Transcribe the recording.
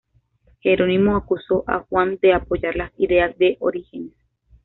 Jerónimo acusó a Juan de apoyar las ideas de Orígenes.